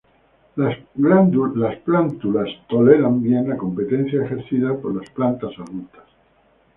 Las plántulas toleran bien la competencia ejercida por las plantas adultas.